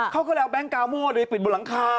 เขาก็เลยเอาแบงค์กาโม้เลยปิดบนรังคา